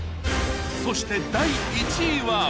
そして、第１位は。